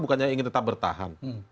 bukannya ingin tetap bertahan